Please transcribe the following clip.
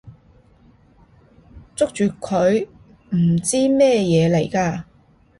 捉住佢！唔知咩嘢嚟㗎！